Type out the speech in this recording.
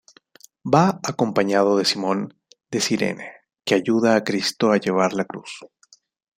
Va acompañado de Simón de Cirene, que ayuda a Cristo a llevar la cruz.